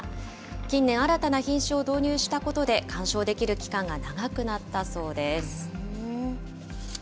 近年、新たな品種を導入したことで、観賞できる期間が長くなったそうです。